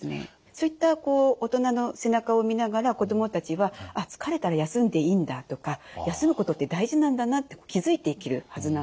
そういった大人の背中を見ながら子どもたちは「疲れたら休んでいいんだ」とか「休むことって大事なんだな」って気付いていけるはずなんですね。